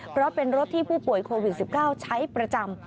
เพราะเป็นรถที่ผู้ป่วยโควิด๑๙ใช้ประจำ